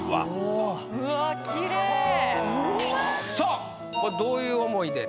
さぁこれどういう思いで？